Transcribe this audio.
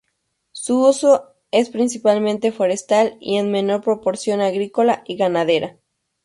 Su uso es principalmente forestal y en menor proporción agrícola y ganadera.